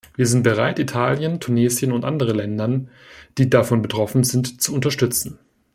Wir sind bereit, Italien, Tunesien und andere Ländern, die davon betroffen sind, zu unterstützen.